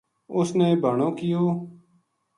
اس نے بہانو کیو